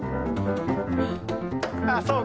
ああそうか。